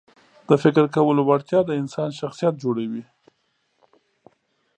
د فکر کولو وړتیا د انسان شخصیت جوړوي.